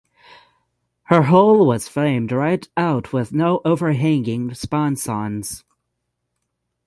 Her hull was flamed right out with no overhanging sponsons.